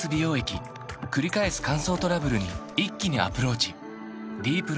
くり返す乾燥トラブルに一気にアプローチ